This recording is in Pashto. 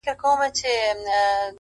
چي د سینې پر باغ دي راسي سېلاوونه،،!